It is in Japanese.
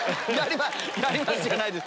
「やります」じゃないです。